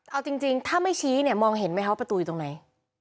เอาจริงถ้าไม่ชี้เนี่ยมองเห็นไหมคะว่าประตูอยู่ตรงไหน